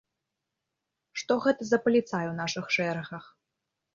Што гэта за паліцай у нашых шэрагах?